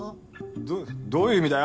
どどういう意味だよ。